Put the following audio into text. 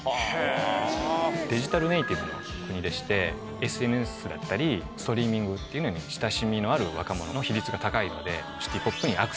国でしてＳＮＳだったりストリーミングっていうのに親しみのある若者の比率が高いので。